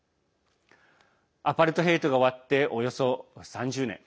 アパルトヘイトが終わっておよそ３０年。